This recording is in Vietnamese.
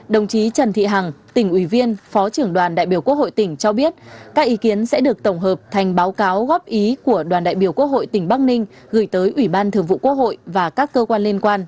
đồng chí trần thị hằng tỉnh ủy viên phó trưởng đoàn đại biểu quốc hội tỉnh cho biết các ý kiến sẽ được tổng hợp thành báo cáo góp ý của đoàn đại biểu quốc hội tỉnh bắc ninh gửi tới ủy ban thường vụ quốc hội và các cơ quan liên quan